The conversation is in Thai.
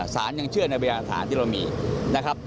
สารยังเชื่อในวิทยาศาสตร์ที่เรามีนะครับ